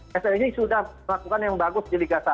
pssi sudah melakukan yang bagus di liga satu